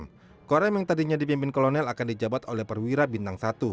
tim korem yang tadinya dipimpin kolonel akan dijabat oleh perwira bintang satu